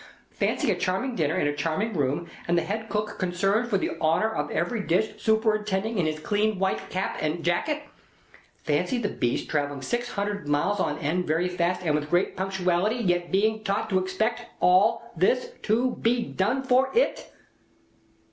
Fancy a charming dinner, in a charming room, and the head cook, concerned for the honour of every dish, superintending in his clean white jacket and cap. Fancy the Beast travelling six hundred miles on end, very fast, and with great punctuality, yet being taught to expect all this to be done for it!"